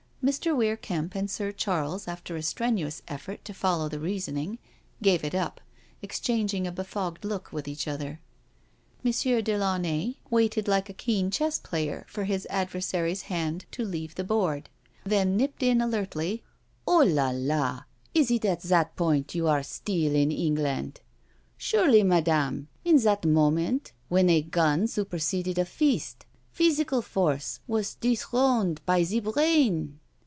Mr. Weir Kemp and Sir Charles, after a strenuous effort to follow the reasoning, gave it up, exchanging a befogged look with one another. M. de Launay waited like a keen chess player for his adversary's hand to leave the board, then nipped in alertly. " 0A| Idf la^ is it at that point you are still in England? Surely, Madame, in that moment when a gun superseded a fist, physical force was dethroned by the brain?